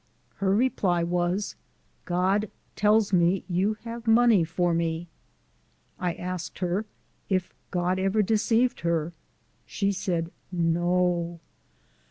Her reply was :" God tells me you have money for me." I asked her "if God never deceived her?" She said, " Ts T o